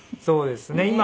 そうですね。